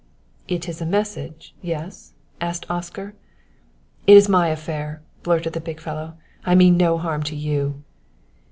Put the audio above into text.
"It is a message yes?" asked Oscar. "It is my affair," blurted the big fellow. "I mean no harm to you."